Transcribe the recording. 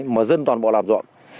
mà dân toàn bộ làm ruộng